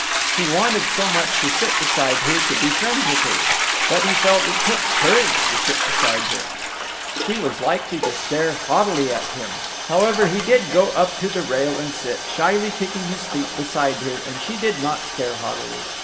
He wanted so much to sit beside her, to be friends with her. But, he felt, it took courage to sit beside her. She was likely to stare haughtily at him. However, he did go up to the rail and sit, shyly kicking his feet, beside her, and she did not stare haughtily.